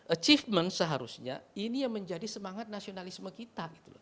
achievement seharusnya ini yang menjadi semangat nasionalisme kita